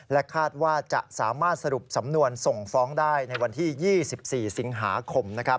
คาดว่าจะสามารถสรุปสำนวนส่งฟ้องได้ในวันที่๒๔สิงหาคม